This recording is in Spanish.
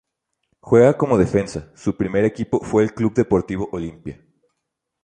Juega como defensa, su primer equipo fue el Club Deportivo Olimpia.